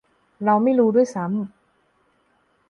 เราไม่รู้ด้วยซ้ำ